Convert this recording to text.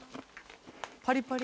パリパリ。